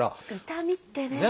痛みってね。